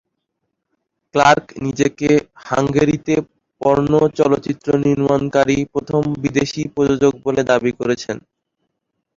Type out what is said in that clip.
Clerk নিজেকে হাঙ্গেরিতে porn চলচ্চিত্র নির্মাণকারী প্রথম বিদেশী প্রযোজক বলে দাবি করেছেন।